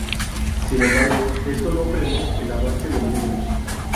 Sin embargo, esto no frenó el avance de Migros.